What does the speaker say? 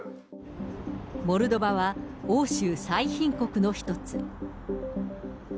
モルドバは、欧州最貧国の一つ。